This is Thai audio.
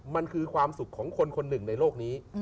มันคือความสุขของคนคนหนึ่งในโลกนี้